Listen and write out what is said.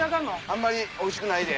あんまりおいしくないで。